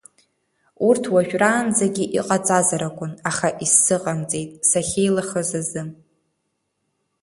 Урҭ уажәраанӡагьы иҟаҵазар акәын, аха исзыҟамҵеит, сахьеилахаз азы.